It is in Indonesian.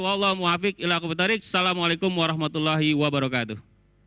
wa'alaikumsalam warahmatullahi wabarakatuh